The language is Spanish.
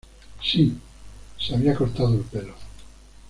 Sí, se había cortado el pelo.